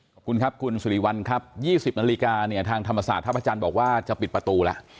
ขอบคุณครับคุณสุริวัลครับ๒๐นาฬิกาเนี่ยทางธรรมศาสตร์ท่าพระจันทร์บอกว่าจะปิดประตูแล้ว